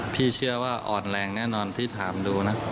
พี่เชื่อว่าอ่อนแรงแน่นอนที่ถามดูนะ